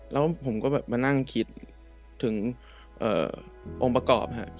แล้วผมก็แบบมานั่งคิดถึงองค์ประกอบ